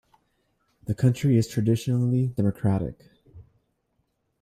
The county is traditionally Democratic.